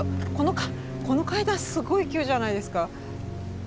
この階段すごい急じゃないですか。